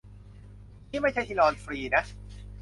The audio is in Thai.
นี่ไม่ใช่ที่นอนฟรีนะ